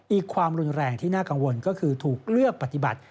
ความรุนแรงที่น่ากังวลก็คือถูกเลือกปฏิบัติ